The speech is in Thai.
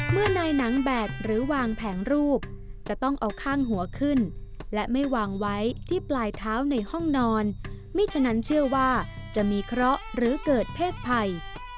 เมื่อนายหนังแบกหรือวางแผงรูปจะต้องเอาข้างหัวขึ้นและไม่วางไว้ที่ปลายเท้าในห้องนอนไม่ฉะนั้นเชื่อว่าจะมีเคราะห์หรือเกิดเพศภัย